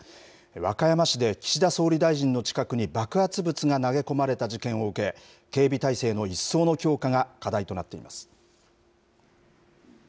和歌山市で岸田総理大臣の近くに爆発物が投げ込まれた事件を受け、警備態勢の一層の強化が課題となっています。